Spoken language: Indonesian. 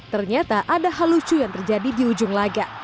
ternyata ada hal lucu yang terjadi di ujung laga